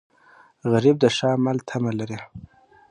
غریب د ښه عمل تمه لري